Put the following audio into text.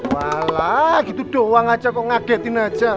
malah gitu doang aja kok ngagetin aja